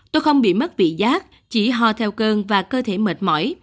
tôi không bị mất vị giác chỉ ho theo cơn và cơ thể mệt mỏi